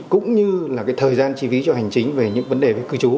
cũng như là thời gian chi phí cho hành chính về những vấn đề